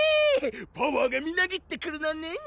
パワーがみなぎってくるのねん